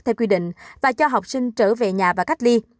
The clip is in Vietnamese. theo quy định và cho học sinh trở về nhà và cách ly